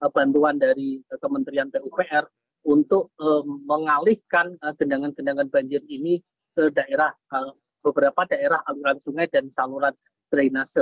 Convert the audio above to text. bantuan dari kementerian pupr untuk mengalihkan genangan gendangan banjir ini ke beberapa daerah aliran sungai dan saluran drainase